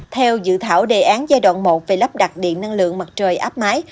theo dự thảo đề án giai đoạn một về lắp đặt điện năng lượng mặt trời áp máy